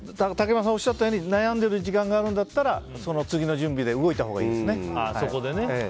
竹山さんがおっしゃったように悩んでる暇があるんだったらその次の準備で動いたほうがいいですね。